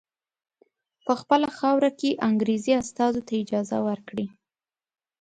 په خپله خاوره کې انګریزي استازو ته اجازه ورکړي.